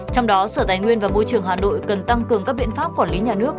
trong đó sở tài nguyên và môi trường hà nội cần tăng cường các biện pháp quản lý nhà nước